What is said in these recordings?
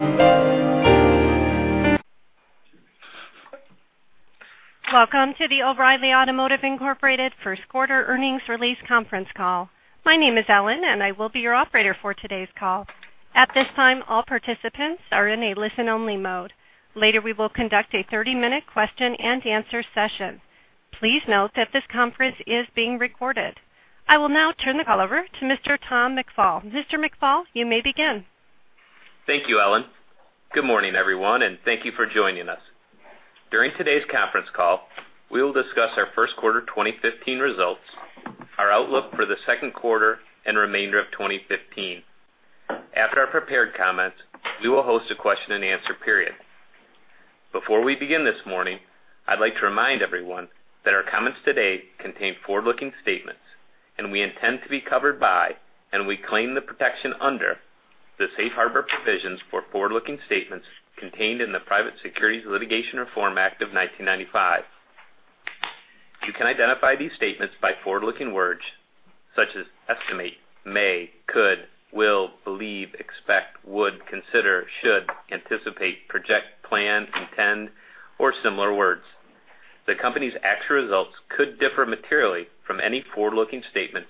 Welcome to the O'Reilly Automotive Incorporated First Quarter Earnings Release Conference Call. My name is Ellen, and I will be your operator for today’s call. At this time, all participants are in a listen-only mode. Later, we will conduct a 30-minute question-and-answer session. Please note that this conference is being recorded. I will now turn the call over to Mr. Tom McFall. Mr. McFall, you may begin. Thank you, Ellen. Good morning, everyone, and thank you for joining us. During today’s conference call, we will discuss our first quarter 2015 results, our outlook for the second quarter, and the remainder of 2015. After our prepared comments, we will host a question-and-answer period. Before we begin this morning, I’d like to remind everyone that our comments today contain forward-looking statements. We intend to be covered by, and we claim the protection under, the safe harbor provisions for forward-looking statements contained in the Private Securities Litigation Reform Act of 1995. You can identify these statements by forward-looking words such as estimate, may, could, will, believe, expect, would, consider, should, anticipate, project, plan, intend, or similar words. The company’s actual results could differ materially from any forward-looking statements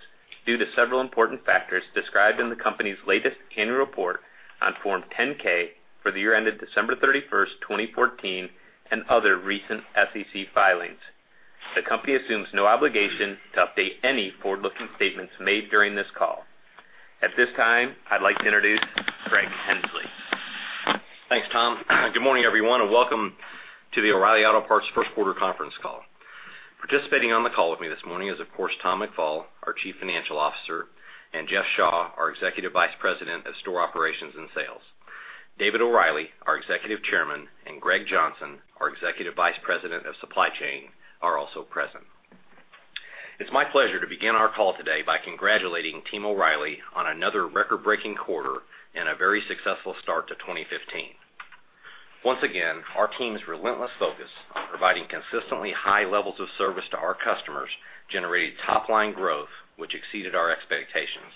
due to several important factors described in the company’s latest annual report on Form 10-K for the year ended December 31st, 2014, and other recent SEC filings. The company assumes no obligation to update any forward-looking statements made during this call. At this time, I’d like to introduce Greg Henslee. Thanks, Tom. Good morning, everyone, and welcome to the O'Reilly Auto Parts First Quarter Conference Call. Participating on the call with me this morning is, of course, Tom McFall, our Chief Financial Officer, and Jeff Shaw, our Executive Vice President of Store Operations and Sales. David O'Reilly, our Executive Chairman, and Greg Johnson, our Executive Vice President of Supply Chain, are also present. It’s my pleasure to begin our call today by congratulating Team O'Reilly on another record-breaking quarter and a very successful start to 2015. Once again, our team’s relentless focus on providing consistently high levels of service to our customers generated top-line growth, which exceeded our expectations.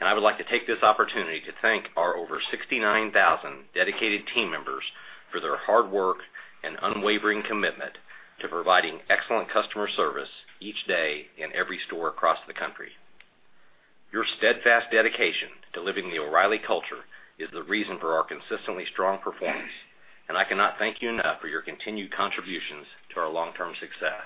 I would like to take this opportunity to thank our over 69,000 dedicated team members for their hard work and unwavering commitment to providing excellent customer service each day in every store across the country. Your steadfast dedication to living the O'Reilly culture is the reason for our consistently strong performance. I cannot thank you enough for your continued contributions to our long-term success.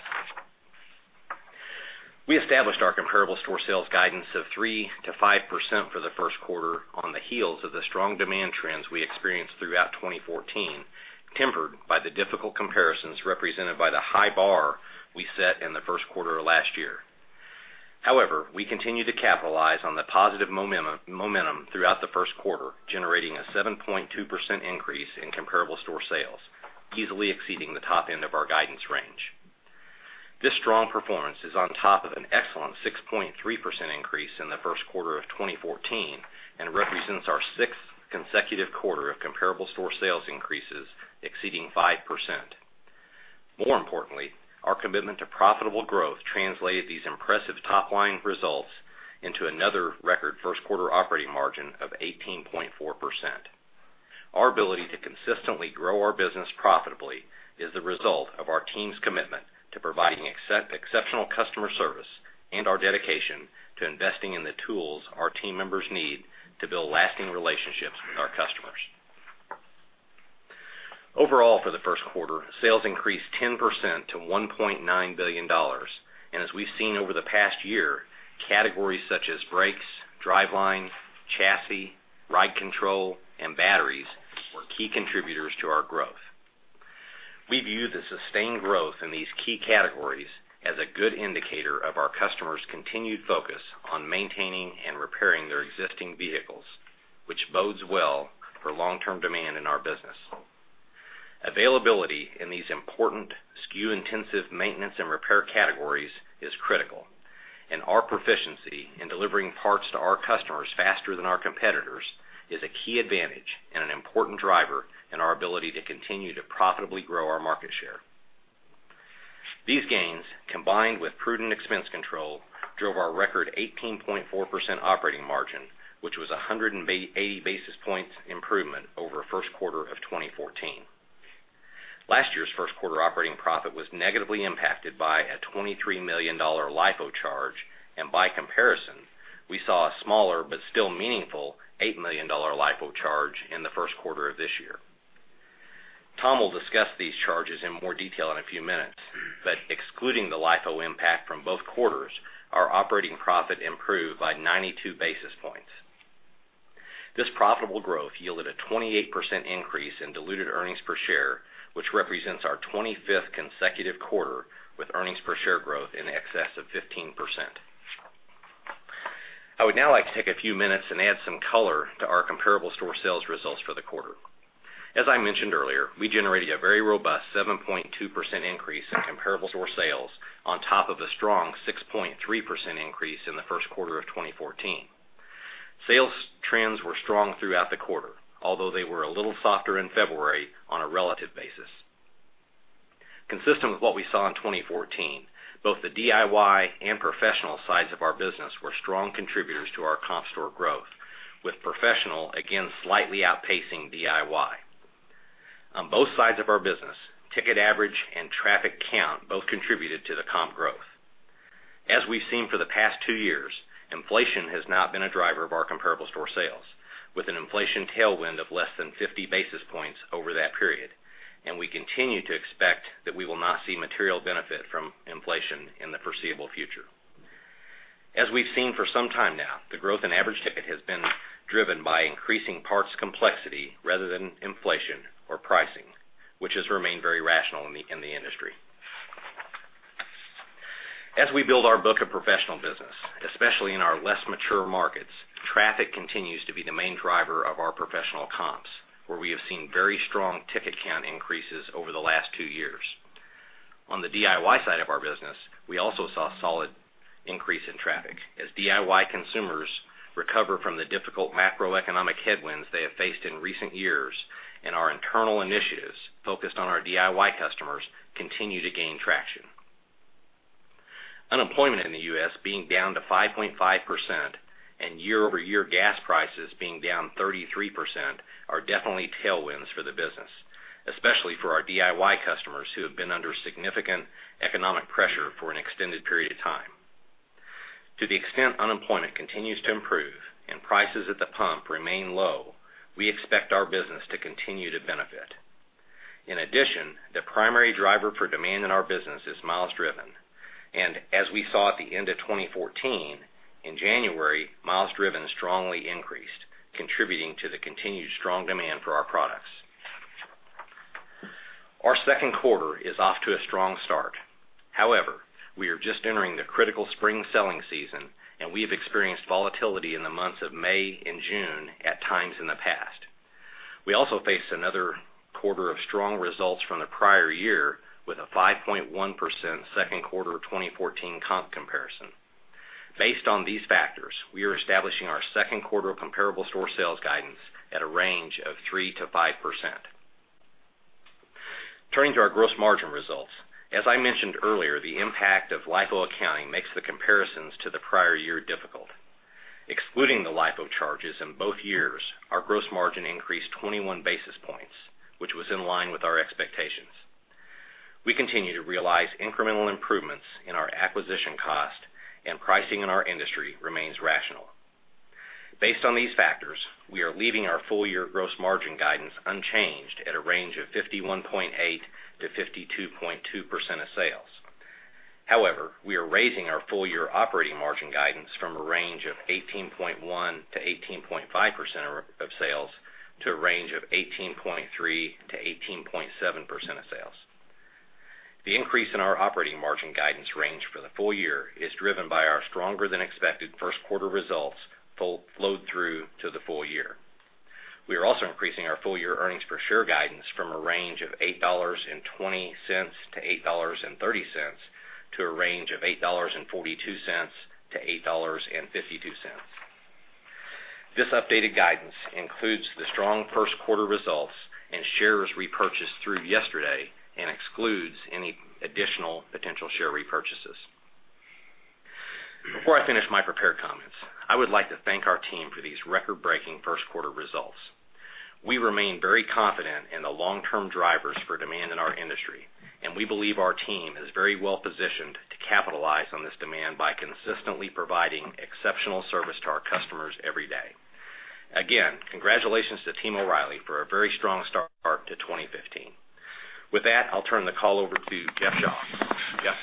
We established our comparable store sales guidance of 3%-5% for the first quarter on the heels of the strong demand trends we experienced throughout 2014, tempered by the difficult comparisons represented by the high bar we set in the first quarter of last year. However, we continue to capitalize on the positive momentum throughout the first quarter, generating a 7.2% increase in comparable store sales, easily exceeding the top end of our guidance range. This strong performance is on top of an excellent 6.3% increase in the first quarter of 2014 and represents our sixth consecutive quarter of comparable store sales increases exceeding 5%. More importantly, our commitment to profitable growth translated these impressive top-line results into another record first quarter operating margin of 18.4%. Our ability to consistently grow our business profitably is the result of our team’s commitment to providing exceptional customer service and our dedication to investing in the tools our team members need to build lasting relationships with our customers. Overall, for the first quarter, sales increased 10% to $1.9 billion. As we’ve seen over the past year, categories such as brakes, driveline, chassis, ride control, and batteries were key contributors to our growth. We view the sustained growth in these key categories as a good indicator of our customers’ continued focus on maintaining and repairing their existing vehicles, which bodes well for long-term demand in our business. Availability in these important SKU-intensive maintenance and repair categories is critical. Our proficiency in delivering parts to our customers faster than our competitors is a key advantage and an important driver in our ability to continue to profitably grow our market share. These gains, combined with prudent expense control, drove our record 18.4% operating margin, which was 180 basis points improvement over the first quarter of 2014. Last year’s first quarter operating profit was negatively impacted by a $23 million LIFO charge. By comparison, we saw a smaller but still meaningful $8 million LIFO charge in the first quarter of this year. Tom will discuss these charges in more detail in a few minutes, but excluding the LIFO impact from both quarters, our operating profit improved by 92 basis points. This profitable growth yielded a 28% increase in diluted earnings per share, which represents our 25th consecutive quarter with earnings per share growth in excess of 15%. I would now like to take a few minutes and add some color to our comparable store sales results for the quarter. As I mentioned earlier, I generated a very robust 7.2% increase in comparable store sales on top of a strong 6.3% increase in the first quarter of 2014. Sales trends were strong throughout the quarter, although they were a little softer in February on a relative basis. Consistent with what we saw in 2014, both the DIY and professional sides of our business were strong contributors to our comp store growth, with professional again slightly outpacing DIY. On both sides of our business, ticket average and traffic count both contributed to the comp growth. As we've seen for the past two years, inflation has not been a driver of our comparable store sales, with an inflation tailwind of less than 50 basis points over that period, and we continue to expect that we will not see material benefit from inflation in the foreseeable future. As we've seen for some time now, the growth in average ticket has been driven by increasing parts complexity rather than inflation or pricing, which has remained very rational in the industry. As we build our book of professional business, especially in our less mature markets, traffic continues to be the main driver of our professional comps, where we have seen very strong ticket count increases over the last two years. On the DIY side of our business, we also saw solid increase in traffic as DIY consumers recover from the difficult macroeconomic headwinds they have faced in recent years, and our internal initiatives, focused on our DIY customers, continue to gain traction. Unemployment in the U.S. being down to 5.5% and year-over-year gas prices being down 33% are definitely tailwinds for the business, especially for our DIY customers, who have been under significant economic pressure for an extended period of time. To the extent unemployment continues to improve and prices at the pump remain low, we expect our business to continue to benefit. In addition, the primary driver for demand in our business is miles driven. As we saw at the end of 2014, in January, miles driven strongly increased, contributing to the continued strong demand for our products. Our second quarter is off to a strong start. However, we are just entering the critical spring selling season, and we've experienced volatility in the months of May and June at times in the past. We also face another quarter of strong results from the prior year, with a 5.1% second quarter 2014 comp comparison. Based on these factors, we are establishing our second quarter comparable store sales guidance at a range of 3%-5%. Turning to our gross margin results. As I mentioned earlier, the impact of LIFO accounting makes the comparisons to the prior year difficult. Excluding the LIFO charges in both years, our gross margin increased 21 basis points, which was in line with our expectations. We continue to realize incremental improvements in our acquisition cost, and pricing in our industry remains rational. Based on these factors, we are leaving our full-year gross margin guidance unchanged at a range of 51.8%-52.2% of sales. However, we are raising our full-year operating margin guidance from a range of 18.1%-18.5% of sales, to a range of 18.3%-18.7% of sales. The increase in our operating margin guidance range for the full year is driven by our stronger than expected first quarter results flowed through to the full year. We are also increasing our full-year earnings per share guidance from a range of $8.20-$8.30, to a range of $8.42-$8.52. This updated guidance includes the strong first quarter results and shares repurchased through yesterday and excludes any additional potential share repurchases. Before I finish my prepared comments, I would like to thank our team for these record-breaking first quarter results. We remain very confident in the long-term drivers for demand in our industry, and we believe our team is very well-positioned to capitalize on this demand by consistently providing exceptional service to our customers every day. Again, congratulations to Team O'Reilly for a very strong start to 2015. With that, I'll turn the call over to Jeff Shaw. Jeff?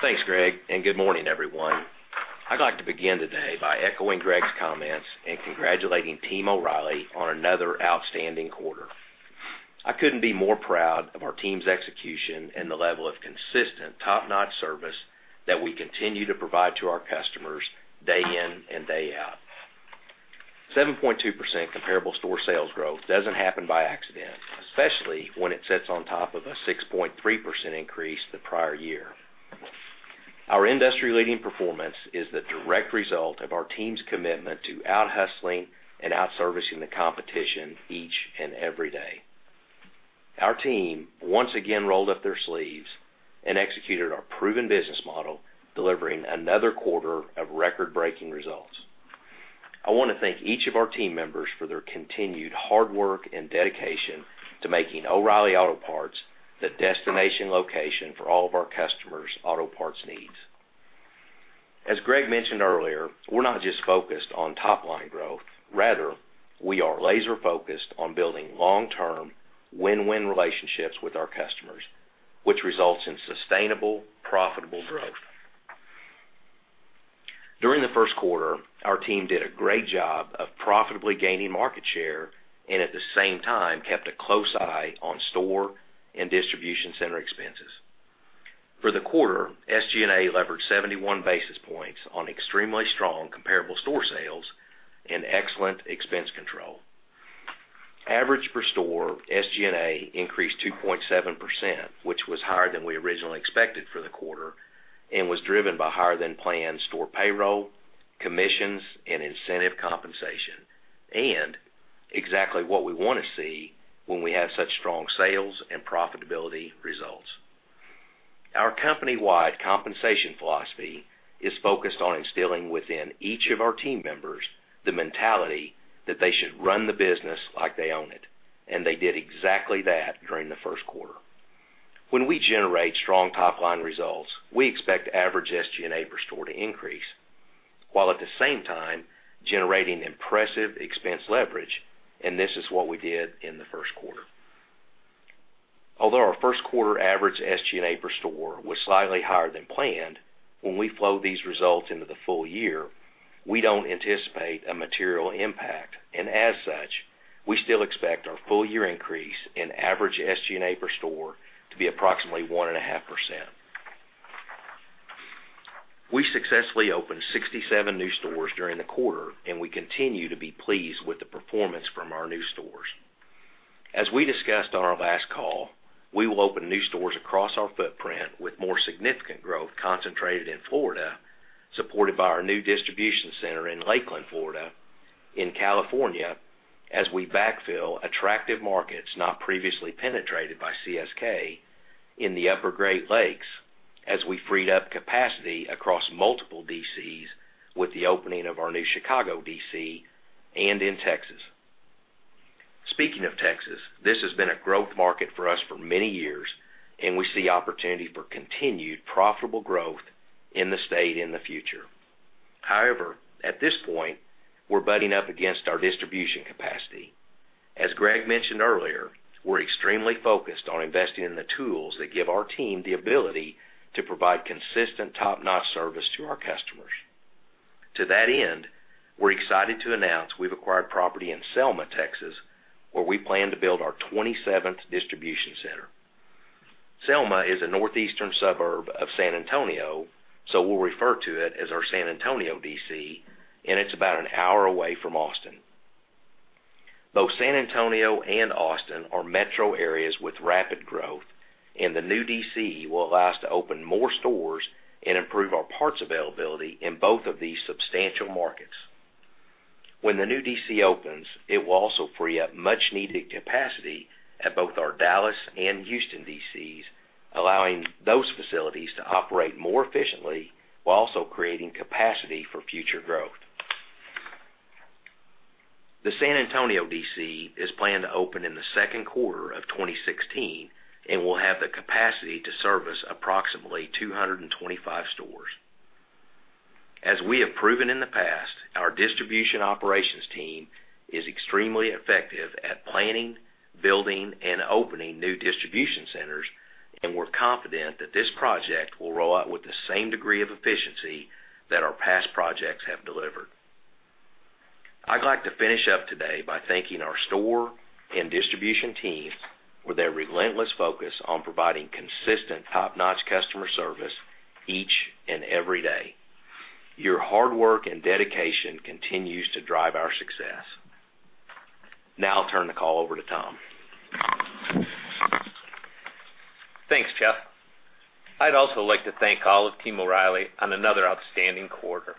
Thanks, Greg, good morning, everyone. I'd like to begin today by echoing Greg's comments and congratulating Team O'Reilly on another outstanding quarter. I couldn't be more proud of our team's execution and the level of consistent, top-notch service that we continue to provide to our customers day in and day out. 7.2% comparable store sales growth doesn't happen by accident, especially when it sits on top of a 6.3% increase the prior year. Our industry-leading performance is the direct result of our team's commitment to out-hustling and out-servicing the competition each and every day. Our team once again rolled up their sleeves and executed our proven business model, delivering another quarter of record-breaking results. I want to thank each of our team members for their continued hard work and dedication to making O'Reilly Auto Parts the destination location for all of our customers' auto parts needs. As Greg mentioned earlier, we're not just focused on top-line growth. Rather, we are laser-focused on building long-term, win-win relationships with our customers, which results in sustainable, profitable growth. During the first quarter, our team did a great job of profitably gaining market share, at the same time, kept a close eye on store and distribution center expenses. For the quarter, SG&A leveraged 71 basis points on extremely strong comparable store sales and excellent expense control. Average per store SG&A increased 2.7%, which was higher than we originally expected for the quarter, was driven by higher than planned store payroll commissions and incentive compensation, exactly what we want to see when we have such strong sales and profitability results. Our company-wide compensation philosophy is focused on instilling within each of our team members the mentality that they should run the business like they own it, they did exactly that during the first quarter. When we generate strong top-line results, we expect average SG&A per store to increase, while at the same time generating impressive expense leverage, this is what we did in the first quarter. Although our first quarter average SG&A per store was slightly higher than planned, when we flow these results into the full year, we don't anticipate a material impact. As such, we still expect our full-year increase in average SG&A per store to be approximately 1.5%. We successfully opened 67 new stores during the quarter, we continue to be pleased with the performance from our new stores. As we discussed on our last call, we will open new stores across our footprint with more significant growth concentrated in Florida, supported by our new distribution center in Lakeland, Florida, in California, as we backfill attractive markets not previously penetrated by CSK, in the upper Great Lakes, as we freed up capacity across multiple DCs with the opening of our new Chicago DC, and in Texas. Speaking of Texas, this has been a growth market for us for many years, and we see opportunity for continued profitable growth in the state in the future. However, at this point, we're butting up against our distribution capacity. As Greg mentioned earlier, we're extremely focused on investing in the tools that give our team the ability to provide consistent top-notch service to our customers. To that end, we're excited to announce we've acquired property in Selma, Texas, where we plan to build our 27th distribution center. Selma is a northeastern suburb of San Antonio, so we'll refer to it as our San Antonio DC. It's about an hour away from Austin. Both San Antonio and Austin are metro areas with rapid growth. The new DC will allow us to open more stores and improve our parts availability in both of these substantial markets. When the new DC opens, it will also free up much needed capacity at both our Dallas and Houston DCs, allowing those facilities to operate more efficiently while also creating capacity for future growth. The San Antonio DC is planned to open in the second quarter of 2016 and will have the capacity to service approximately 225 stores. As we have proven in the past, our distribution operations team is extremely effective at planning, building, and opening new distribution centers. We're confident that this project will roll out with the same degree of efficiency that our past projects have delivered. I'd like to finish up today by thanking our store and distribution teams for their relentless focus on providing consistent top-notch customer service each and every day. Your hard work and dedication continues to drive our success. Now I'll turn the call over to Tom. Thanks, Jeff. I'd also like to thank all of Team O'Reilly on another outstanding quarter.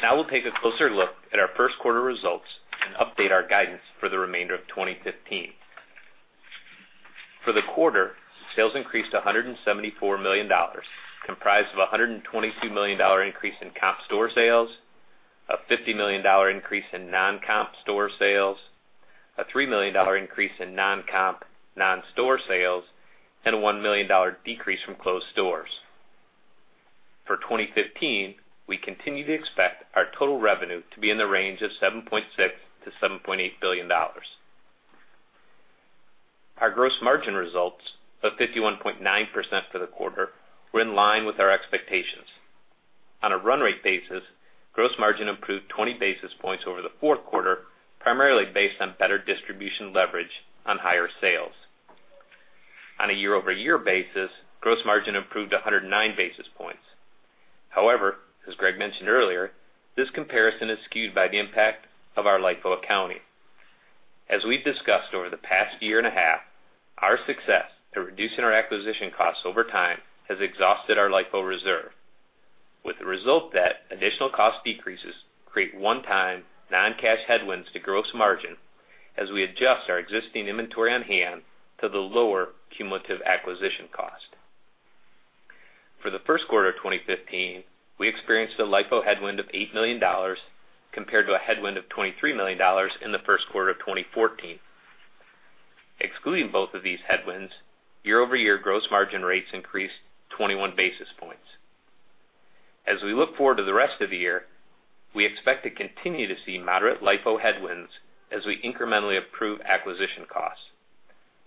Now we'll take a closer look at our first quarter results and update our guidance for the remainder of 2015. For the quarter, sales increased to $174 million, comprised of $122 million increase in comp store sales, a $50 million increase in non-comp store sales, a $3 million increase in non-comp non-store sales. A $1 million decrease from closed stores. For 2015, we continue to expect our total revenue to be in the range of $7.6 billion-$7.8 billion. Our gross margin results of 51.9% for the quarter were in line with our expectations. On a run rate basis, gross margin improved 20 basis points over the fourth quarter, primarily based on better distribution leverage on higher sales. On a year-over-year basis, gross margin improved 109 basis points. However, as Greg mentioned earlier, this comparison is skewed by the impact of our LIFO accounting. As we've discussed over the past year and a half, our success at reducing our acquisition costs over time has exhausted our LIFO reserve, with the result that additional cost decreases create one-time non-cash headwinds to gross margin as we adjust our existing inventory on hand to the lower cumulative acquisition cost. For the first quarter of 2015, we experienced a LIFO headwind of $8 million, compared to a headwind of $23 million in the first quarter of 2014. Excluding both of these headwinds, year-over-year gross margin rates increased 21 basis points. As we look forward to the rest of the year, we expect to continue to see moderate LIFO headwinds as we incrementally improve acquisition costs.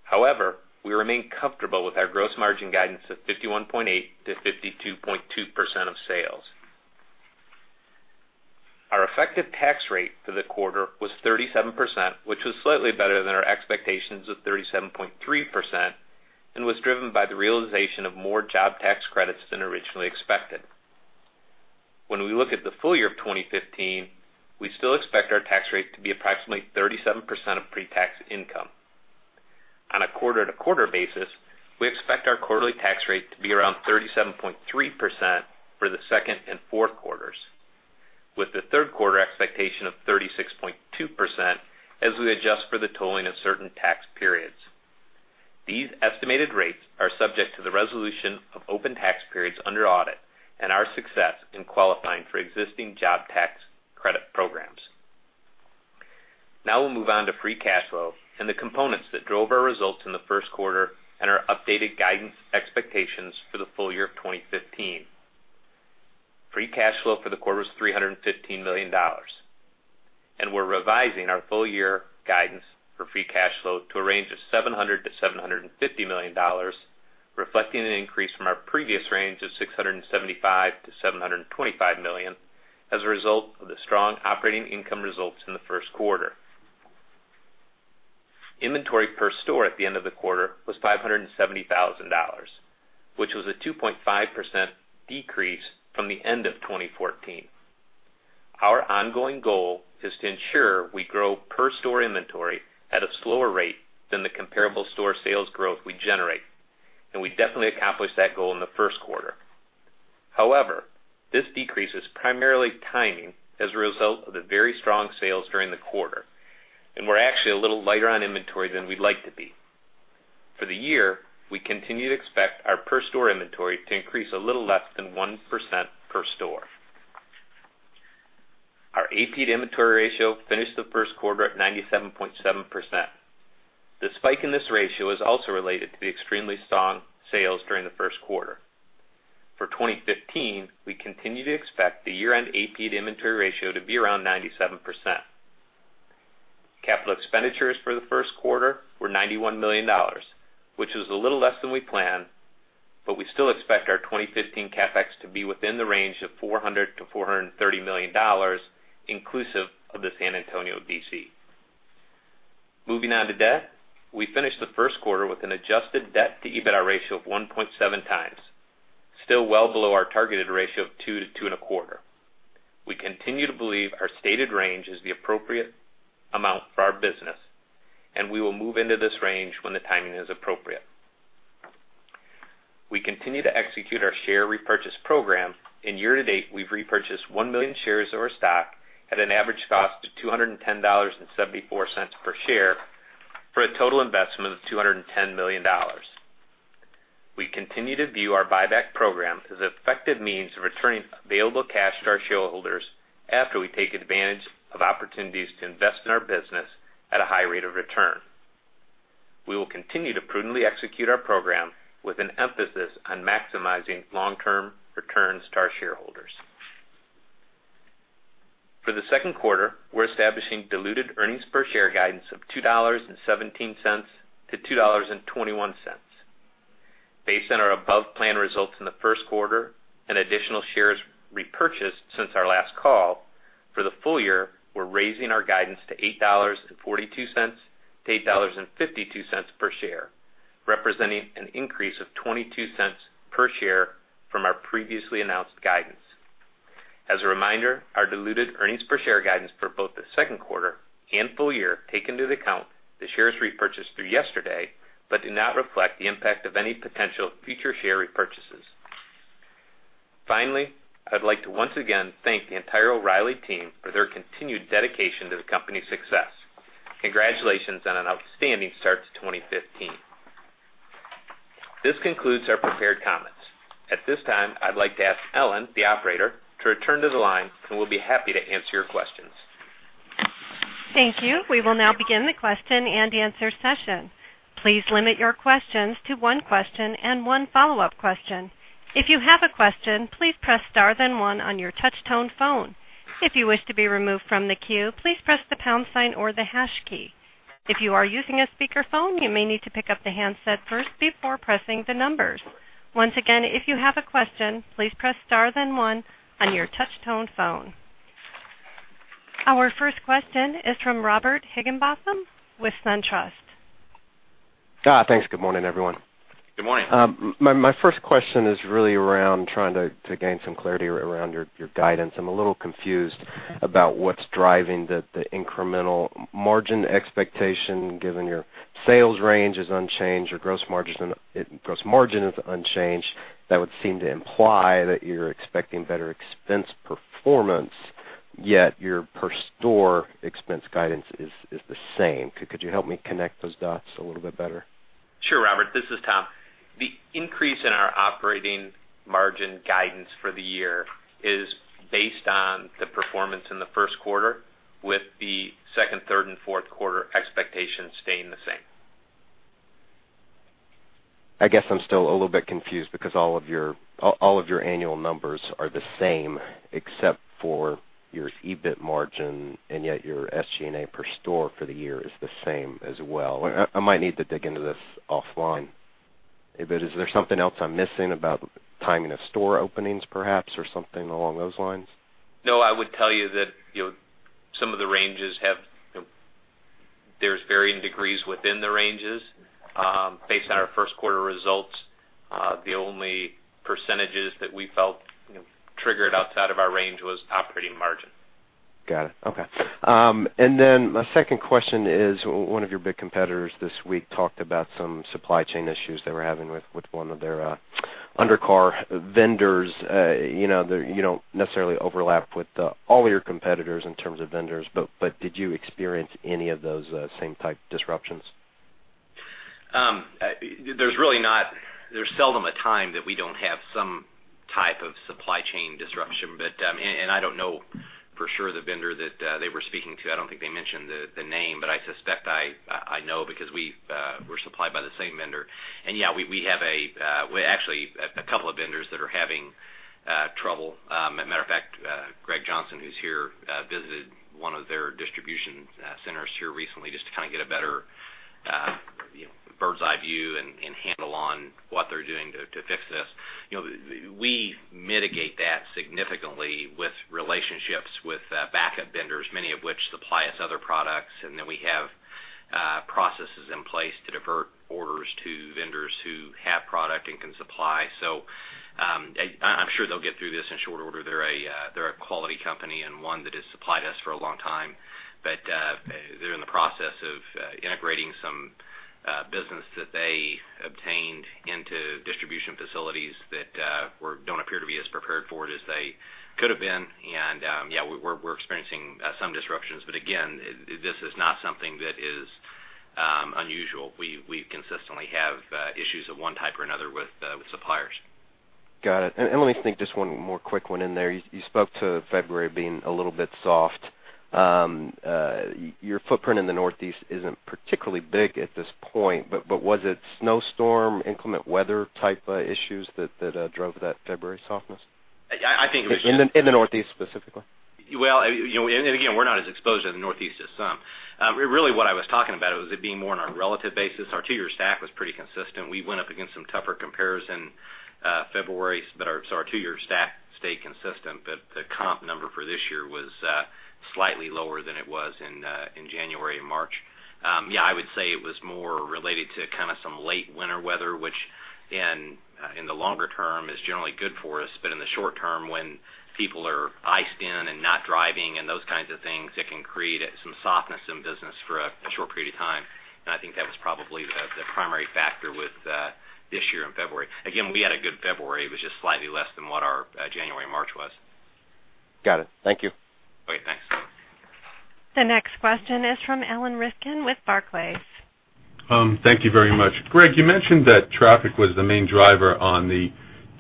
However, we remain comfortable with our gross margin guidance of 51.8%-52.2% of sales. Our effective tax rate for the quarter was 37%, which was slightly better than our expectations of 37.3% and was driven by the realization of more job tax credits than originally expected. When we look at the full year of 2015, we still expect our tax rate to be approximately 37% of pre-tax income. On a quarter-to-quarter basis, we expect our quarterly tax rate to be around 37.3% for the second and fourth quarters, with the third quarter expectation of 36.2% as we adjust for the tolling of certain tax periods. These estimated rates are subject to the resolution of open tax periods under audit and our success in qualifying for existing job tax credit programs. Now we'll move on to free cash flow and the components that drove our results in the first quarter and our updated guidance expectations for the full year of 2015. Free cash flow for the quarter was $315 million, and we're revising our full-year guidance for free cash flow to a range of $700 million-$750 million, reflecting an increase from our previous range of $675 million-$725 million as a result of the strong operating income results in the first quarter. Inventory per store at the end of the quarter was $570,000, which was a 2.5% decrease from the end of 2014. Our ongoing goal is to ensure we grow per store inventory at a slower rate than the comparable store sales growth we generate, and we definitely accomplished that goal in the first quarter. However, this decrease is primarily timing as a result of the very strong sales during the quarter, and we're actually a little lighter on inventory than we'd like to be. For the year, we continue to expect our per store inventory to increase a little less than 1% per store. Our AP to inventory ratio finished the first quarter at 97.7%. The spike in this ratio is also related to the extremely strong sales during the first quarter. For 2015, we continue to expect the year-end AP to inventory ratio to be around 97%. Capital expenditures for the first quarter were $91 million, which was a little less than we planned, but we still expect our 2015 CapEx to be within the range of $400 million-$430 million, inclusive of the Selma DC. Moving on to debt. We finished the first quarter with an adjusted debt to EBITDA ratio of 1.7 times, still well below our targeted ratio of two to two and a quarter. We continue to believe our stated range is the appropriate amount for our business, and we will move into this range when the timing is appropriate. We continue to execute our share repurchase program. In year to date, we've repurchased 1 million shares of our stock at an average cost of $210.74 per share for a total investment of $210 million. We continue to view our buyback program as an effective means of returning available cash to our shareholders after we take advantage of opportunities to invest in our business at a high rate of return. We will continue to prudently execute our program with an emphasis on maximizing long-term returns to our shareholders. For the second quarter, we're establishing diluted earnings per share guidance of $2.17 to $2.21. Based on our above plan results in the first quarter and additional shares repurchased since our last call. For the full year, we're raising our guidance to $8.42 to $8.52 per share, representing an increase of $0.22 per share from our previously announced guidance. As a reminder, our diluted earnings per share guidance for both the second quarter and full year take into account the shares repurchased through yesterday but do not reflect the impact of any potential future share repurchases. Finally, I'd like to once again thank the entire O'Reilly team for their continued dedication to the company's success. Congratulations on an outstanding start to 2015. This concludes our prepared comments. At this time, I'd like to ask Ellen, the operator, to return to the line, and we'll be happy to answer your questions. Thank you. We will now begin the question and answer session. Please limit your questions to one question and one follow-up question. If you have a question, please press star then one on your touch tone phone. If you wish to be removed from the queue, please press the pound sign or the hash key. If you are using a speakerphone, you may need to pick up the handset first before pressing the numbers. Once again, if you have a question, please press star then one on your touch tone phone. Our first question is from Robert Higginbotham with SunTrust. Thanks. Good morning, everyone. Good morning. My first question is really around trying to gain some clarity around your guidance. I'm a little confused about what's driving the incremental margin expectation, given your sales range is unchanged, your gross margin is unchanged. That would seem to imply that you're expecting better expense performance, yet your per store expense guidance is the same. Could you help me connect those dots a little bit better? Sure. Robert, this is Tom. The increase in our operating margin guidance for the year is based on the performance in the first quarter with the second, third, and fourth quarter expectations staying the same. I guess I'm still a little bit confused because all of your annual numbers are the same except for your EBIT margin, and yet your SG&A per store for the year is the same as well. I might need to dig into this offline. Is there something else I'm missing about timing of store openings perhaps, or something along those lines? No, I would tell you that some of the ranges. There's varying degrees within the ranges. Based on our first quarter results, the only % that we felt triggered outside of our range was operating margin. Got it. Okay. Then my second question is, one of your big competitors this week talked about some supply chain issues they were having with one of their undercar vendors. You don't necessarily overlap with all your competitors in terms of vendors, but did you experience any of those same type disruptions? There's seldom a time that we don't have some type of supply chain disruption. I don't know for sure the vendor that they were speaking to, I don't think they mentioned the name, but I suspect I know because we're supplied by the same vendor. Yeah, we have actually a couple of vendors that are having trouble. Matter of fact, Greg Johnson, who's here, visited one of their distribution centers here recently just to kind of get a better bird's eye view and handle on what they're doing to fix this. We mitigate that significantly with relationships with backup vendors, many of which supply us other products, then we have processes in place to divert orders to vendors who have product and can supply. I'm sure they'll get through this in short order. They're a quality company and one that has supplied us for a long time. They're in the process of integrating some business that they obtained into distribution facilities that don't appear to be as prepared for it as they could have been. Yeah, we're experiencing some disruptions. Again, this is not something that is unusual. We consistently have issues of one type or another with suppliers. Got it. Let me sneak just one more quick one in there. You spoke to February being a little bit soft. Your footprint in the Northeast isn't particularly big at this point, but was it snowstorm, inclement weather type issues that drove that February softness? I think. In the Northeast, specifically. Well, again, we're not as exposed in the Northeast as some. Really what I was talking about was it being more on a relative basis. Our two-year stack was pretty consistent. We went up against some tougher comparison February, but our two-year stack stayed consistent. The comp number for this year was slightly lower than it was in January and March. Yeah, I would say it was more related to some late winter weather, which in the longer term is generally good for us. In the short term, when people are iced in and not driving and those kinds of things, it can create some softness in business for a short period of time. I think that was probably the primary factor with this year in February. Again, we had a good February. It was just slightly less than what our January and March was. Got it. Thank you. Okay, thanks. The next question is from Alan Rifkin with Barclays. Thank you very much. Greg, you mentioned that traffic was the main driver on the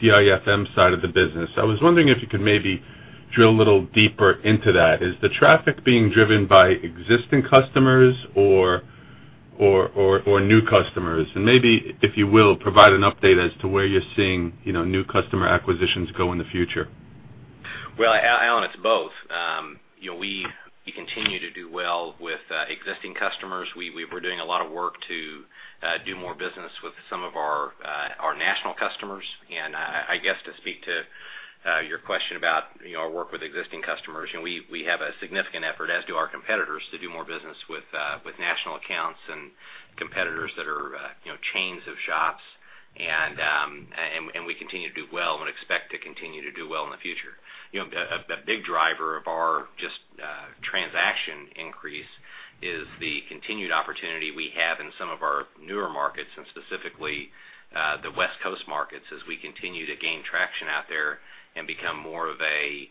DIFM side of the business. I was wondering if you could maybe drill a little deeper into that. Is the traffic being driven by existing customers or new customers? Maybe, if you will, provide an update as to where you're seeing new customer acquisitions go in the future. Well, Alan, it's both. We continue to do well with existing customers. We're doing a lot of work to do more business with some of our national customers. I guess to speak to your question about our work with existing customers, we have a significant effort, as do our competitors, to do more business with national accounts and competitors that are chains of shops. We continue to do well and expect to continue to do well in the future. A big driver of our just transaction increase is the continued opportunity we have in some of our newer markets, and specifically the West Coast markets, as we continue to gain traction out there and become more of a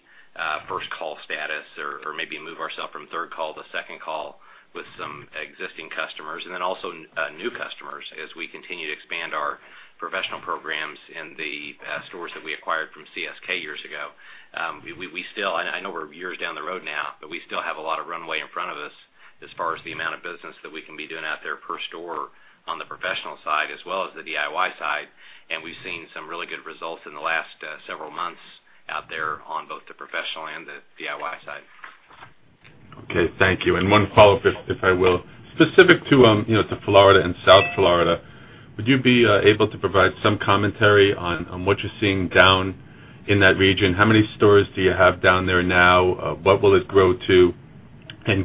first-call status or maybe move ourself from third call to second call with some existing customers. Also new customers as we continue to expand our professional programs in the stores that we acquired from CSK years ago. I know we're years down the road now, but we still have a lot of runway in front of us as far as the amount of business that we can be doing out there per store on the professional side as well as the DIY side. We've seen some really good results in the last several months out there on both the professional and the DIY side. Okay, thank you. One follow-up, if I will. Specific to Florida and South Florida, would you be able to provide some commentary on what you're seeing down in that region? How many stores do you have down there now? What will it grow to?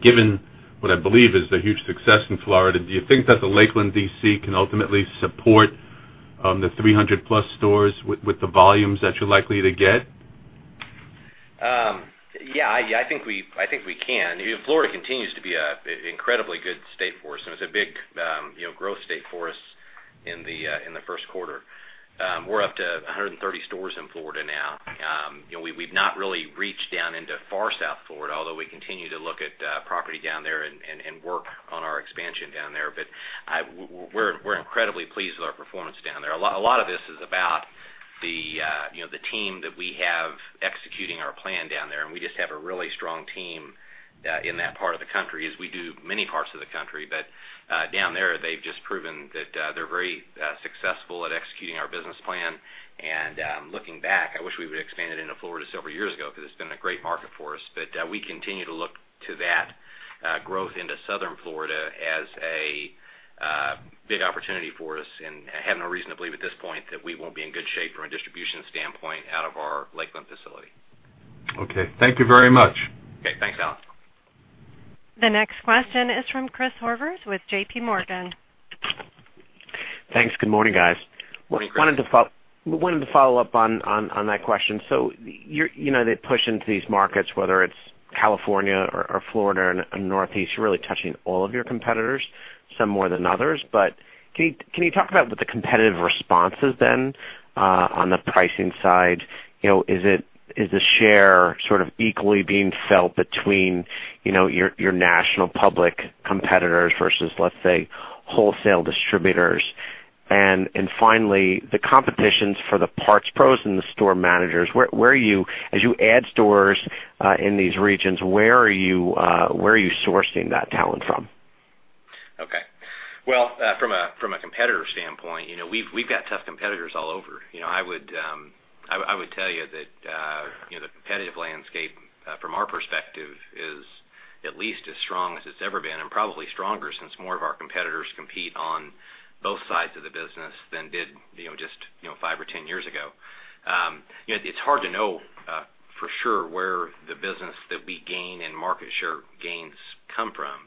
Given what I believe is the huge success in Florida, do you think that the Lakeland DC can ultimately support the 300-plus stores with the volumes that you're likely to get? Yeah, I think we can. Florida continues to be an incredibly good state for us. It was a big growth state for us in the first quarter. We're up to 130 stores in Florida now. We've not really reached down into far South Florida, although we continue to look at property down there and work on our expansion down there. We're incredibly pleased with our performance down there. A lot of this is about the team that we have executing our plan down there. We just have a really strong team in that part of the country, as we do many parts of the country. Down there, they've just proven that they're very successful at executing our business plan. Looking back, I wish we would've expanded into Florida several years ago because it's been a great market for us. We continue to look to that growth into Southern Florida as a big opportunity for us, and I have no reason to believe at this point that we won't be in good shape from a distribution standpoint out of our Lakeland facility. Okay. Thank you very much. Okay. Thanks, Alan. The next question is from Chris Horvers with J.P. Morgan. Thanks. Good morning, guys. Morning, Chris. They push into these markets, whether it's California or Florida and Northeast, you're really touching all of your competitors, some more than others. Can you talk about what the competitive response is then on the pricing side? Is the share sort of equally being felt between your national public competitors versus, let's say, wholesale distributors? Finally, the competitions for the parts pros and the store managers, as you add stores in these regions, where are you sourcing that talent from? Okay. Well, from a competitor standpoint, we've got tough competitors all over. I would tell you that the competitive landscape, from our perspective, is at least as strong as it's ever been, and probably stronger, since more of our competitors compete on both sides of the business than did just five or 10 years ago. It's hard to know for sure where the business that we gain and market share gains come from.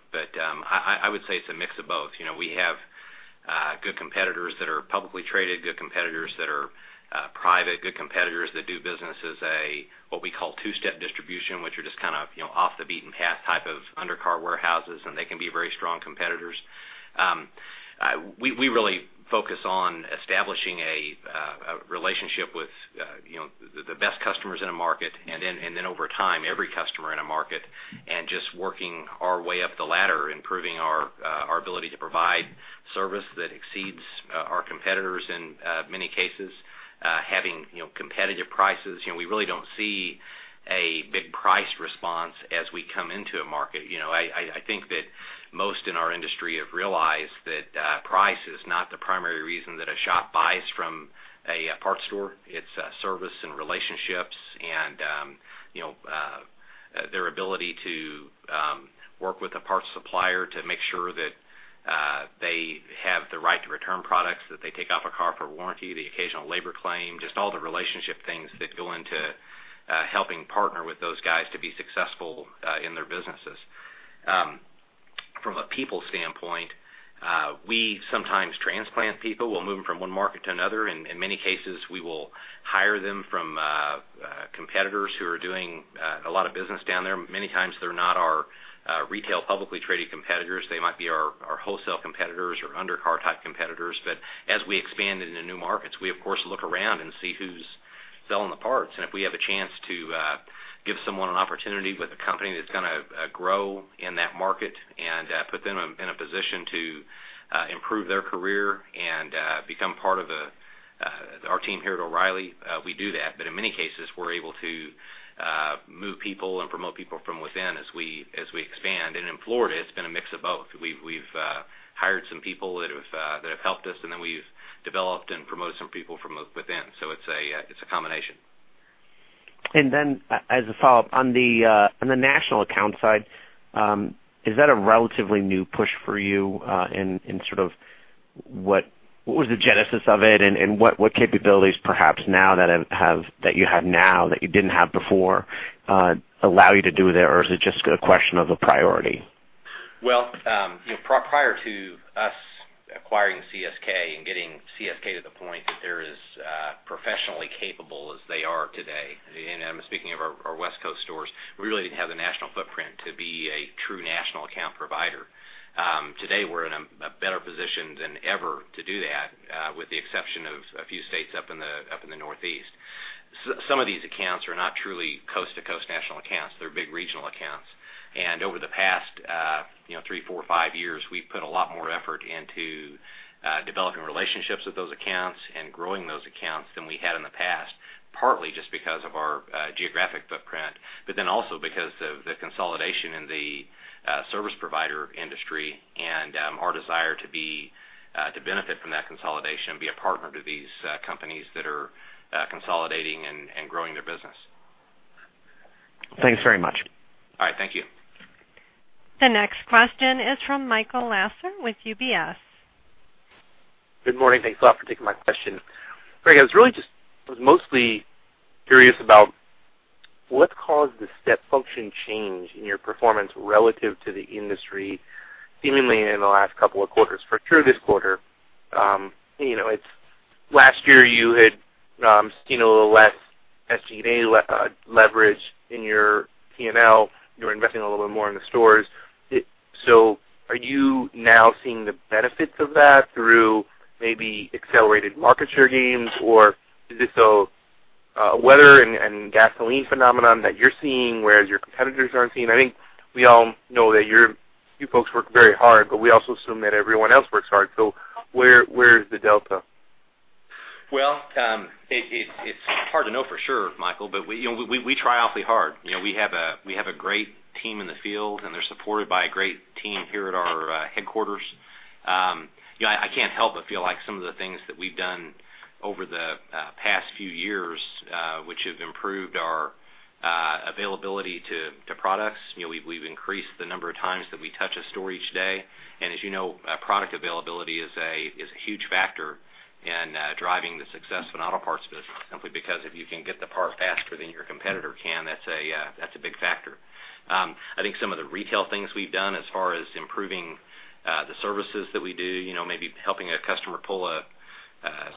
I would say it's a mix of both. We have good competitors that are publicly traded, good competitors that are private, good competitors that do business as a, what we call two-step distribution, which are just kind of off the beaten path type of undercar warehouses, and they can be very strong competitors. We really focus on establishing a relationship with the best customers in a market, over time, every customer in a market, just working our way up the ladder, improving our ability to provide service that exceeds our competitors, in many cases, having competitive prices. We really don't see a big price response as we come into a market. I think that most in our industry have realized that price is not the primary reason that a shop buys from a parts store. It's service and relationships and their ability to work with a parts supplier to make sure that they have the right to return products that they take off a car for warranty, the occasional labor claim, just all the relationship things that go into helping partner with those guys to be successful in their businesses. From a people standpoint, we sometimes transplant people. We'll move them from one market to another. In many cases, we will hire them from competitors who are doing a lot of business down there. Many times, they're not our retail publicly traded competitors. They might be our wholesale competitors or undercar type competitors. As we expand into new markets, we of course look around and see who's selling the parts, if we have a chance to give someone an opportunity with a company that's going to grow in that market and put them in a position to improve their career and become part of our team here at O'Reilly, we do that. In many cases, we're able to move people and promote people from within as we expand. In Florida, it's been a mix of both. We've hired some people that have helped us, then we've developed and promoted some people from within. It's a combination. As a follow-up, on the national account side, is that a relatively new push for you? Sort of what was the genesis of it, what capabilities perhaps that you have now that you didn't have before allow you to do there, or is it just a question of a priority? Well, prior to us acquiring CSK and getting CSK to the point that they're as professionally capable as they are today, and I'm speaking of our West Coast stores, we really didn't have the national footprint to be a true national account provider. Today we're in a better position than ever to do that, with the exception of a few states up in the Northeast. Some of these accounts are not truly coast-to-coast national accounts. They're big regional accounts. Over the past three, four, five years, we've put a lot more effort into developing relationships with those accounts and growing those accounts than we had in the past, partly just because of our geographic footprint, also because of the consolidation in the service provider industry and our desire to benefit from that consolidation and be a partner to these companies that are consolidating and growing their business. Thanks very much. All right. Thank you. The next question is from Michael Lasser with UBS. Good morning. Thanks a lot for taking my question. Greg, I was really just mostly curious about what caused the step function change in your performance relative to the industry seemingly in the last couple of quarters for through this quarter. Last year you had seen a little less SG&A leverage in your P&L. You were investing a little bit more in the stores. Are you now seeing the benefits of that through maybe accelerated market share gains, or is this a weather and gasoline phenomenon that you're seeing, whereas your competitors aren't seeing? I think we all know that you folks work very hard, but we also assume that everyone else works hard. Where is the delta? Well, it's hard to know for sure, Michael, but we try awfully hard. We have a great team in the field, and they're supported by a great team here at our headquarters. I can't help but feel like some of the things that we've done over the past few years, which have improved our availability to products, we've increased the number of times that we touch a store each day. As you know, product availability is a huge factor driving the success of an auto parts business simply because if you can get the part faster than your competitor can, that's a big factor. I think some of the retail things we've done as far as improving the services that we do, maybe helping a customer pull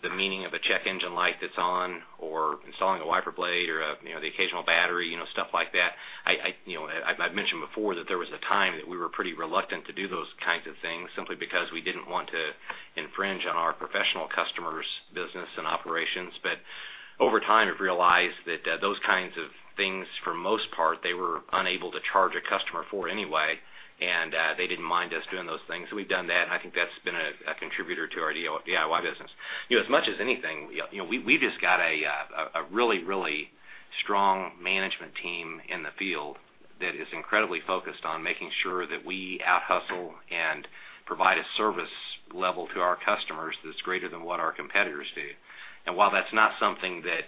the meaning of a check engine light that's on or installing a wiper blade or the occasional battery, stuff like that. I've mentioned before that there was a time that we were pretty reluctant to do those kinds of things simply because we didn't want to infringe on our professional customers' business and operations. Over time, we've realized that those kinds of things, for the most part, they were unable to charge a customer for anyway, and they didn't mind us doing those things. We've done that, and I think that's been a contributor to our DIY business. As much as anything, we've just got a really strong management team in the field that is incredibly focused on making sure that we out-hustle and provide a service level to our customers that's greater than what our competitors do. While that's not something that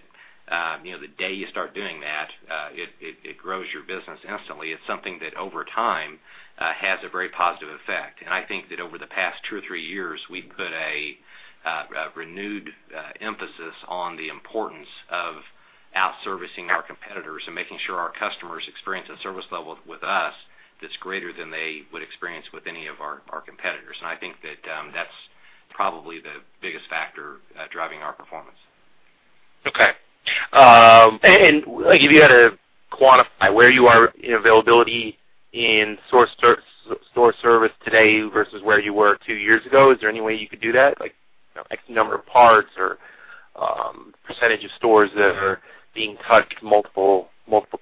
the day you start doing that, it grows your business instantly. It's something that over time has a very positive effect. I think that over the past two or three years, we've put a renewed emphasis on the importance of out-servicing our competitors and making sure our customers experience a service level with us that's greater than they would experience with any of our competitors. I think that that's probably the biggest factor driving our performance. Okay. If you had to quantify where you are in availability in store service today versus where you were two years ago, is there any way you could do that? Like X number of parts or percentage of stores that are being touched multiple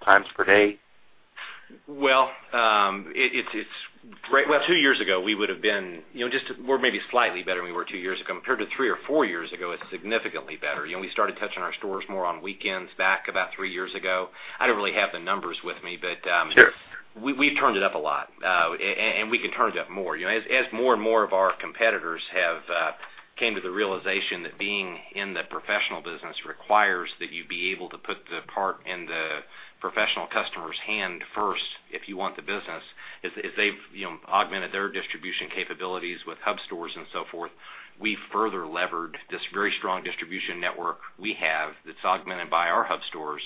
times per day? Well, two years ago, we're maybe slightly better than we were two years ago. Compared to three or four years ago, it's significantly better. We started touching our stores more on weekends back about three years ago. I don't really have the numbers with me. Sure We've turned it up a lot, and we can turn it up more. As more and more of our competitors have come to the realization that being in the professional business requires that you be able to put the part in the professional customer's hand first if you want the business, as they've augmented their distribution capabilities with hub stores and so forth, we further levered this very strong distribution network we have that's augmented by our hub stores,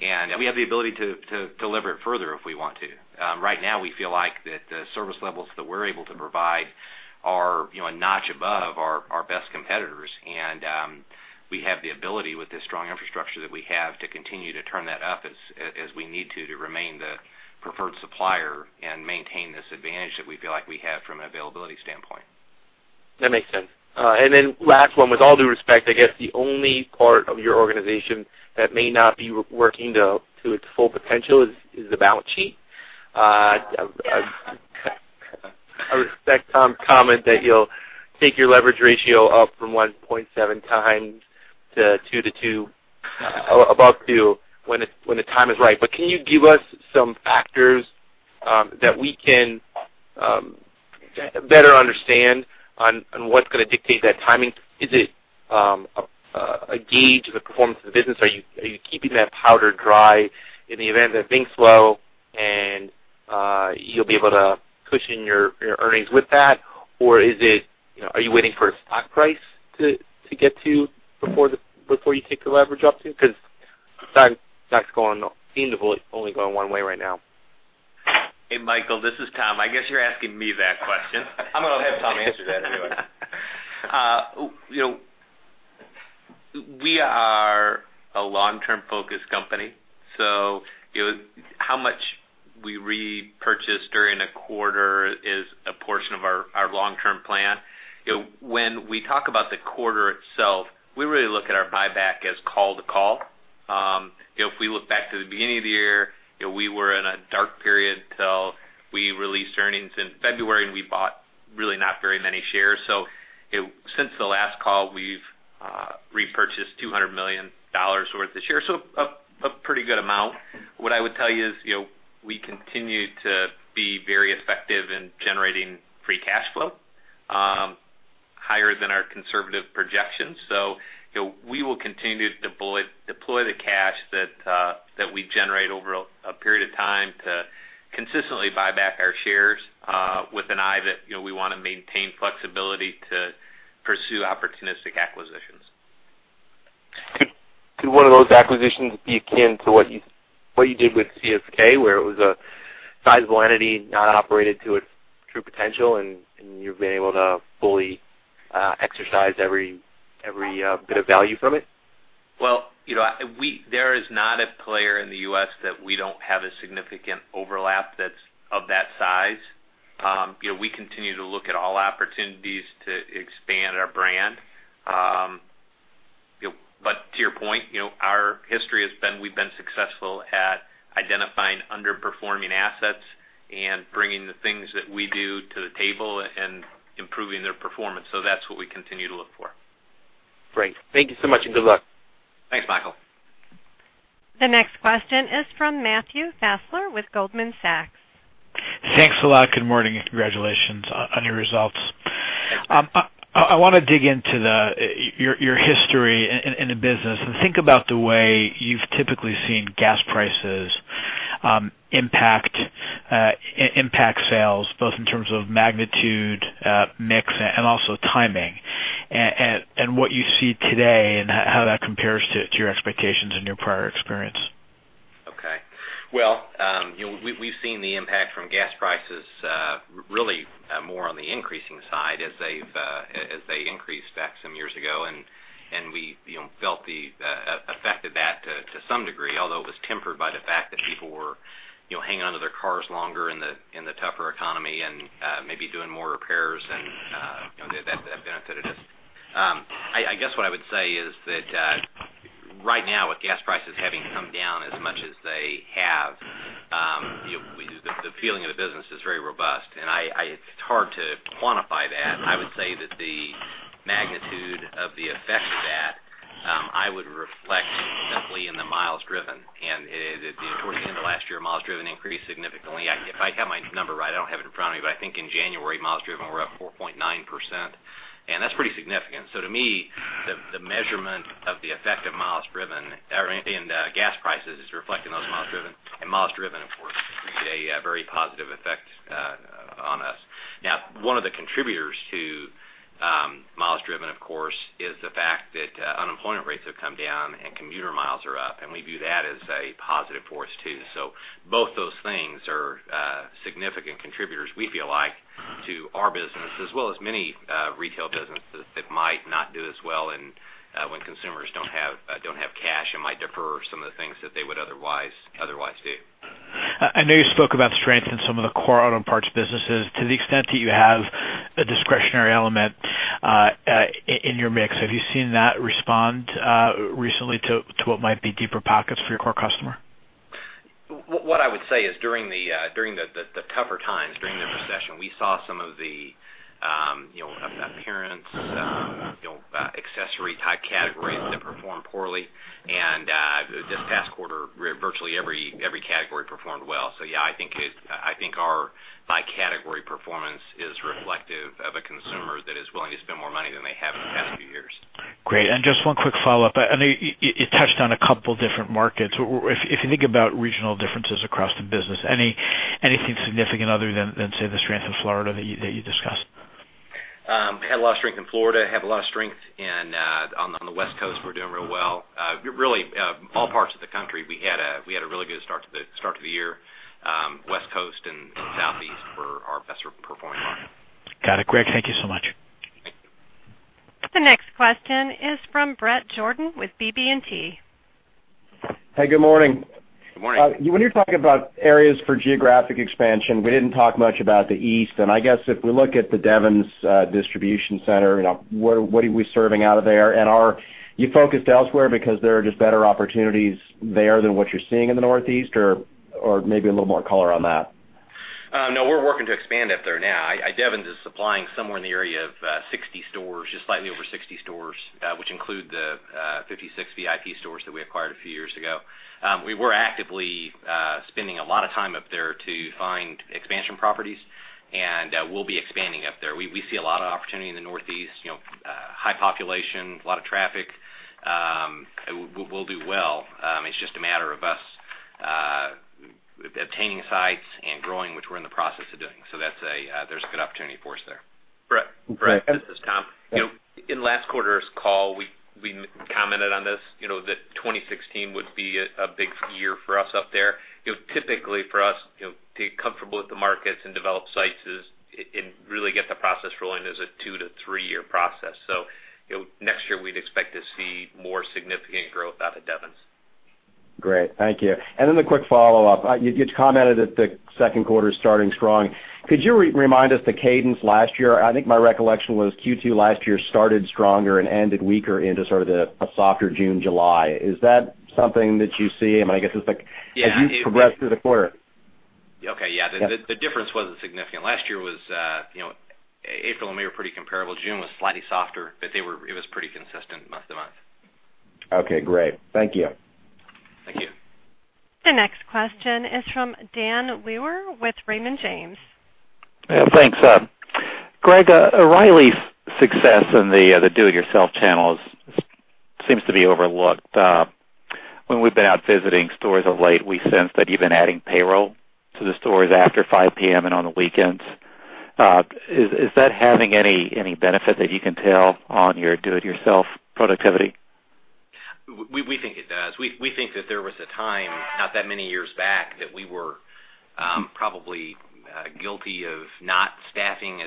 and we have the ability to lever it further if we want to. Right now, we feel like the service levels that we're able to provide are a notch above our best competitors, and we have the ability with the strong infrastructure that we have to continue to turn that up as we need to remain the preferred supplier and maintain this advantage that we feel like we have from an availability standpoint. That makes sense. Last one, with all due respect, I guess the only part of your organization that may not be working to its full potential is the balance sheet. I respect Tom's comment that you'll take your leverage ratio up from 1.7 times to 2 to above 2 when the time is right. Can you give us some factors that we can better understand on what's going to dictate that timing? Is it a gauge of the performance of the business? Are you keeping that powder dry in the event that things slow and you'll be able to cushion your earnings with that? Are you waiting for a stock price to get to before you take the leverage up to? That seems to only go in one way right now. Hey, Michael, this is Tom. I guess you're asking me that question. I'm going to have Tom answer that anyway. We are a long-term focused company, so how much we repurchase during a quarter is a portion of our long-term plan. When we talk about the quarter itself, we really look at our buyback as call to call. If we look back to the beginning of the year, we were in a dark period till we released earnings in February, and we bought really not very many shares. Since the last call, we've repurchased $200 million worth of shares, so a pretty good amount. What I would tell you is we continue to be very effective in generating free cash flow, higher than our conservative projections. We will continue to deploy the cash that we generate over a period of time to consistently buy back our shares with an eye that we want to maintain flexibility to pursue opportunistic acquisitions. Could one of those acquisitions be akin to what you did with CSK, where it was a sizable entity not operated to its true potential, and you've been able to fully exercise every bit of value from it? Well, there is not a player in the U.S. that we don't have a significant overlap that's of that size. We continue to look at all opportunities to expand our brand. To your point, our history has been we've been successful at identifying underperforming assets and bringing the things that we do to the table and improving their performance. That's what we continue to look for. Great. Thank you so much, and good luck. Thanks, Michael. The next question is from Matthew Fassler with Goldman Sachs. Thanks a lot. Good morning, and congratulations on your results. I want to dig into your history in the business and think about the way you've typically seen gas prices impact sales, both in terms of magnitude, mix, and also timing. What you see today and how that compares to your expectations and your prior experience. Okay. Well, we've seen the impact from gas prices really more on the increasing side as they increased back some years ago, and we felt the effect of that to some degree, although it was tempered by the fact that people were hanging on to their cars longer in the tougher economy and maybe doing more repairs and that benefited us. I guess what I would say is that right now, with gas prices having come down as much as they have, the feeling of the business is very robust. It's hard to quantify that. I would say that the magnitude of the effect of that, I would reflect simply in the miles driven. Towards the end of last year, miles driven increased significantly. If I have my number right, I don't have it in front of me, but I think in January, miles driven were up 4.9%, that's pretty significant. To me, the measurement of the effect of miles driven or anything gas prices is reflecting those miles driven. Miles driven, of course, is a very positive effect on us. Now, one of the contributors to miles driven, of course, is the fact that unemployment rates have come down and commuter miles are up, we view that as a positive force, too. Both those things are significant contributors, we feel like, to our business, as well as many retail businesses that might not do as well when consumers don't have cash and might defer some of the things that they would otherwise do. I know you spoke about strength in some of the core auto parts businesses. To the extent that you have a discretionary element in your mix, have you seen that respond recently to what might be deeper pockets for your core customer? What I would say is during the tougher times, during the recession, we saw some of the appearance, accessory-type categories that performed poorly. This past quarter, virtually every category performed well. Yeah, I think our by-category performance is reflective of a consumer that is willing to spend more money than they have in the past few years. Great. Just one quick follow-up. I know you touched on a couple of different markets. If you think about regional differences across the business, anything significant other than, say, the strength of Florida that you discussed? Had a lot of strength in Florida, have a lot of strength on the West Coast, we're doing real well. Really, all parts of the country, we had a really good start to the year. West Coast and Southeast were our best-performing markets. Got it. Great. Thank you so much. The next question is from Bret Jordan with BB&T. Hey, good morning. Good morning. When you're talking about areas for geographic expansion, we didn't talk much about the East. I guess if we look at the Devens Distribution Center, what are we serving out of there? Are you focused elsewhere because there are just better opportunities there than what you're seeing in the Northeast, or maybe a little more color on that? No, we're working to expand up there now. Devens is supplying somewhere in the area of 60 stores, just slightly over 60 stores, which include the 56 VIP stores that we acquired a few years ago. We were actively spending a lot of time up there to find expansion properties, and we'll be expanding up there. We see a lot of opportunity in the Northeast, high population, a lot of traffic. We'll do well. It's just a matter of us obtaining sites and growing, which we're in the process of doing. There's good opportunity for us there. Great. Bret, this is Tom. In last quarter's call, we commented on this, that 2016 would be a big year for us up there. Typically for us to get comfortable with the markets and develop sites and really get the process rolling is a two to three-year process. Next year, we'd expect to see more significant growth out of Devens. Great. Thank you. A quick follow-up. You commented that the second quarter is starting strong. Could you remind us the cadence last year? I think my recollection was Q2 last year started stronger and ended weaker into sort of a softer June, July. Is that something that you see? Yeah. As you progress through the quarter. Okay, yeah. The difference wasn't significant. Last year April and May were pretty comparable. June was slightly softer, but it was pretty consistent month-to-month. Okay, great. Thank you. Thank you. The next question is from Daniel Weber with Raymond James. Yeah, thanks. Greg, O'Reilly's success in the do-it-yourself channels seems to be overlooked. When we've been out visiting stores of late, we sense that you've been adding payroll to the stores after 5:00 P.M. and on the weekends. Is that having any benefit that you can tell on your do-it-yourself productivity? We think it does. We think that there was a time, not that many years back, that we were probably guilty of not staffing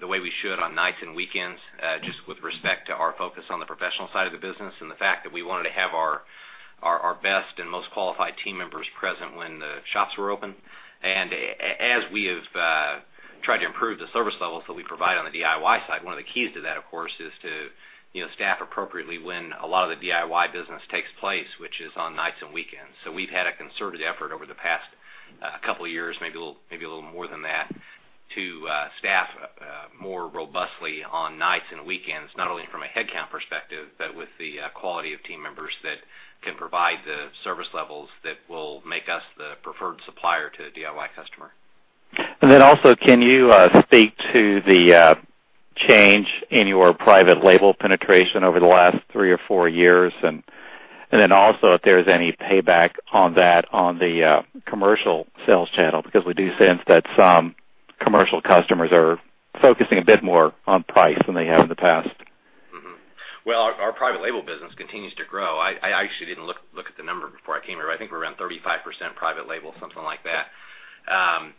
the way we should on nights and weekends, just with respect to our focus on the professional side of the business and the fact that we wanted to have our best and most qualified team members present when the shops were open. As we have tried to improve the service levels that we provide on the DIY side, one of the keys to that, of course, is to staff appropriately when a lot of the DIY business takes place, which is on nights and weekends. We've had a concerted effort over the past couple of years, maybe a little more than that, to staff more robustly on nights and weekends, not only from a headcount perspective, but with the quality of team members that can provide the service levels that will make us the preferred supplier to the DIY customer. Can you speak to the change in your private label penetration over the last three or four years? If there's any payback on that on the commercial sales channel, because we do sense that some commercial customers are focusing a bit more on price than they have in the past. Well, our private label business continues to grow. I actually didn't look at the number before I came here. I think we're around 35% private label, something like that.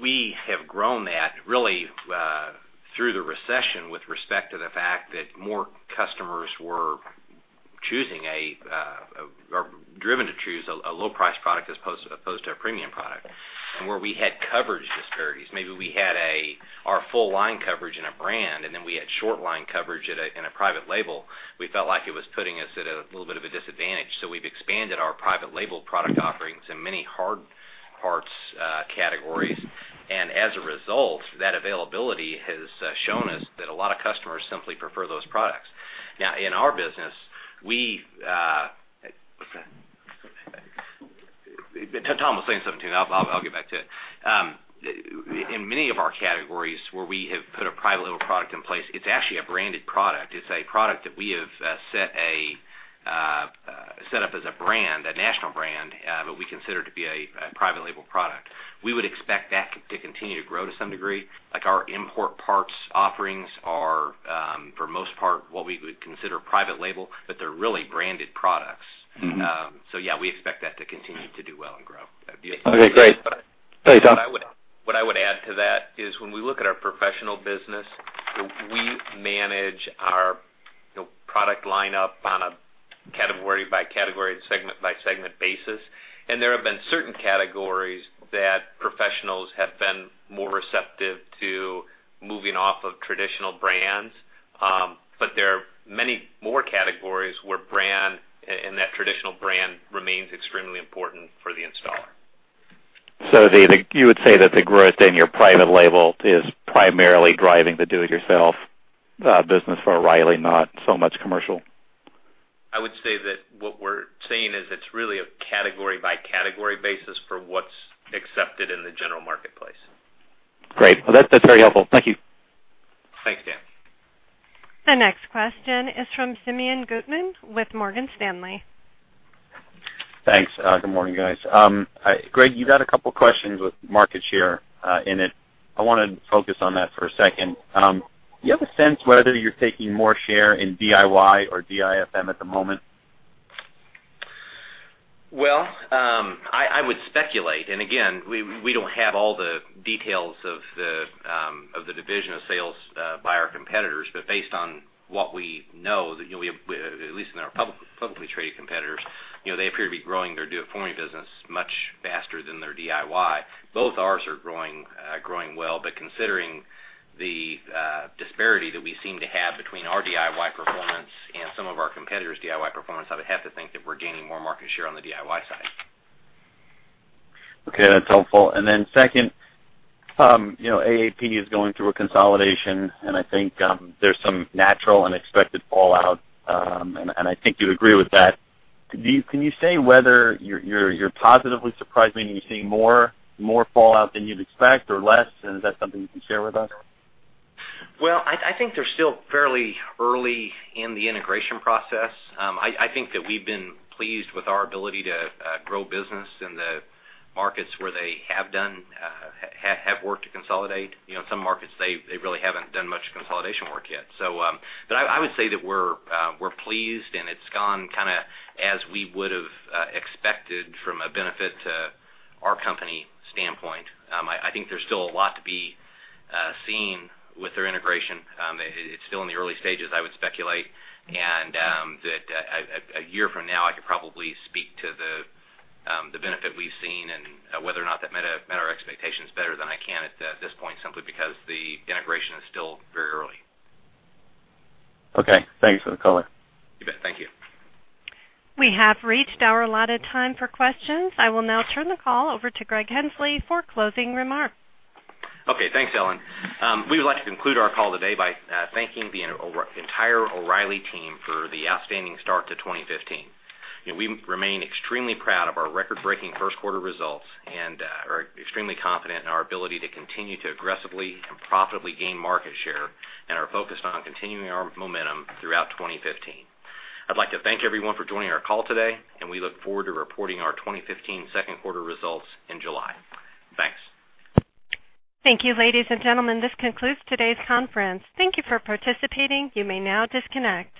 We have grown that really through the recession with respect to the fact that more customers were driven to choose a low-price product as opposed to a premium product. Where we had coverage disparities, maybe we had our full line coverage in a brand, then we had short line coverage in a private label, we felt like it was putting us at a little bit of a disadvantage. We've expanded our private label product offerings in many hard parts categories. As a result, that availability has shown us that a lot of customers simply prefer those products. Now, in our business, Tom was saying something, I'll get back to it. In many of our categories where we have put a private label product in place, it's actually a branded product. It's a product that we have set up as a brand, a national brand, but we consider to be a private label product. We would expect that to continue to grow to some degree. Like our import parts offerings are, for most part, what we would consider private label, but they're really branded products. Yeah, we expect that to continue to do well and grow. Okay, great. Sorry, Tom. What I would add to that is when we look at our professional business, we manage our product lineup on a category-by-category, segment-by-segment basis. There have been certain categories that professionals have been more receptive to moving off of traditional brands. There are many more categories where brand and that traditional brand remains extremely important for the installer. You would say that the growth in your private label is primarily driving the do-it-yourself business for O’Reilly, not so much commercial? I would say that what we're seeing is it's really a category-by-category basis for what's accepted in the general marketplace. Great. Well, that's very helpful. Thank you. Thanks, Dan. The next question is from Simeon Gutman with Morgan Stanley. Thanks. Good morning, guys. Greg, you got a couple questions with market share in it. I wanna focus on that for a second. Do you have a sense whether you're taking more share in DIY or DIFM at the moment? Well, I would speculate, and again, we don't have all the details of the division of sales by our competitors, but based on what we know, at least in our publicly traded competitors, they appear to be growing their DIFM business much faster than their DIY. Both ours are growing well, considering the disparity that we seem to have between our DIY performance and some of our competitors' DIY performance, I would have to think that we're gaining more market share on the DIY side. Okay, that's helpful. Second, AAP is going through a consolidation, I think there's some natural and expected fallout, I think you'd agree with that. Can you say whether you're positively surprised when you're seeing more fallout than you'd expect or less? Is that something you can share with us? Well, I think they're still fairly early in the integration process. I think that we've been pleased with our ability to grow business in the markets where they have worked to consolidate. Some markets they really haven't done much consolidation work yet. I would say that we're pleased, it's gone as we would have expected from a benefit to our company standpoint. I think there's still a lot to be seen with their integration. It's still in the early stages, I would speculate. A year from now, I could probably speak to the benefit we've seen and whether or not that met our expectations better than I can at this point, simply because the integration is still very early. Okay. Thanks for the color. You bet. Thank you. We have reached our allotted time for questions. I will now turn the call over to Greg Henslee for closing remarks. Okay. Thanks, Ellen. We would like to conclude our call today by thanking the entire O'Reilly team for the outstanding start to 2015. We remain extremely proud of our record-breaking first quarter results and are extremely confident in our ability to continue to aggressively and profitably gain market share and are focused on continuing our momentum throughout 2015. I'd like to thank everyone for joining our call today, and we look forward to reporting our 2015 second quarter results in July. Thanks. Thank you, ladies and gentlemen. This concludes today's conference. Thank you for participating. You may now disconnect.